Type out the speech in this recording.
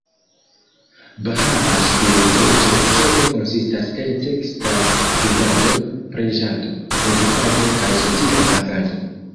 Bahaa spiriteco ĉefe konsistas el teksta studado, preĝado, meditado, kaj socia agado.